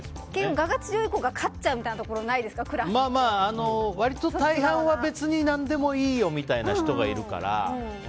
我が強い子が勝っちゃうみたいなの割と大半は、別に何でもいいよみたいな人がいるから。